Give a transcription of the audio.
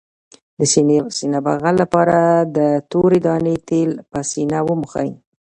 د سینې بغل لپاره د تورې دانې تېل په سینه ومښئ